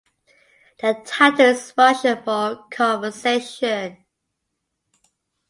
The title is Russian for "Conversation".